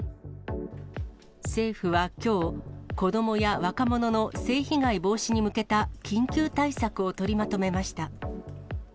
政府はきょう、子どもや若者の性被害防止に向けた緊急対策を取りまとめました。